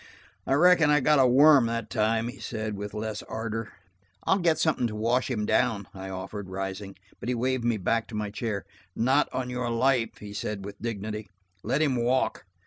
"I reckon I got a worm that time," he said, with less ardor. "I'll get something to wash him down," I offered, rising, but he waved me back to my stair. "Not on your life," he said with dignity. "Let him walk.